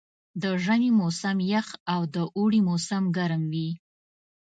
د ژمي موسم یخ او د اوړي موسم ګرم وي.